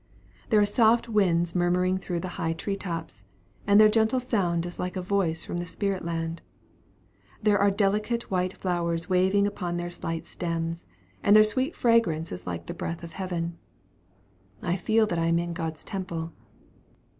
There are soft winds murmuring through the high tree tops, and their gentle sound is like a voice from the spirit land. There are delicate white flowers waving upon their slight stems, and their sweet fragrance is like the breath of heaven. I feel that I am in God's temple.